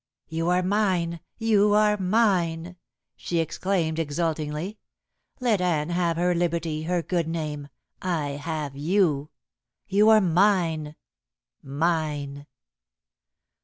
"You are mine! you are mine!" she exclaimed exultingly. "Let Anne have her liberty, her good name. I have you. You are mine! mine!"